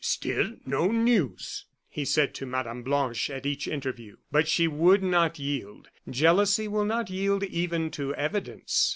"Still no news!" he said to Mme. Blanche at each interview. But she would not yield. Jealousy will not yield even to evidence.